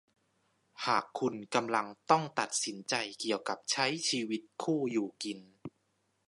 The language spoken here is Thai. หากคุณกำลังต้องตัดสินใจเกี่ยวกับใช้ชีวิตคู่อยู่กิน